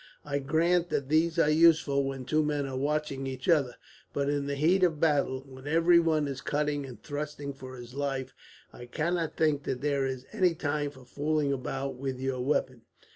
I grant that these are useful, when two men are watching each other; but in the heat of a battle, when every one is cutting and thrusting for his life, I cannot think that there is any time for fooling about with your weapon."